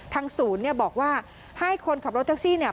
ทางสูรนี่บอกว่าให้คนขับรถทักซี่นี้